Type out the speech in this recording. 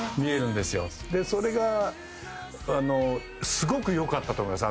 それがすごくよかったと思います